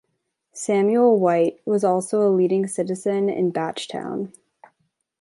Samuel White was also a leading citizen in Batchtown.